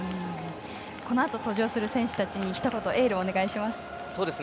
このあと登場する選手たちにひと言エールをお願いします。